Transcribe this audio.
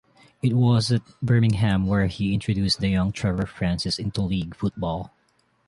It was at Birmingham where he introduced the young Trevor Francis into league football.